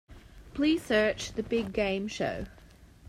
Please search The Big Game show.